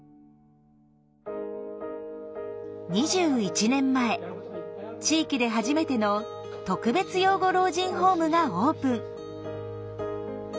２１年前地域で初めての特別養護老人ホームがオープン。